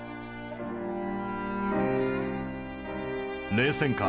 冷戦下